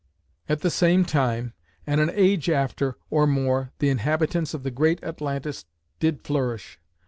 "At the same time, and an age after, or more, the inhabitants of the great Atlantis did flourish.